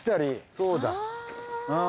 そうだ。